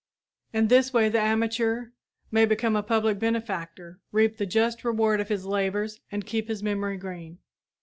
In this way the amateur may become a public benefactor, reap the just reward of his labors and keep his memory green!